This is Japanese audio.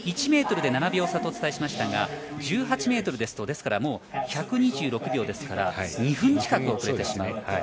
１ｍで７秒差とお伝えしましたが１８ｍですと１２５ｍですから２分近く遅れてしまう。